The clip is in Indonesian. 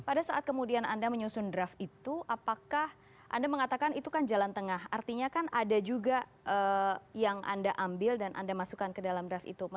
pada saat kemudian anda menyusun draft itu apakah anda mengatakan itu kan jalan tengah artinya kan ada juga yang anda ambil dan anda masukkan ke dalam draft itu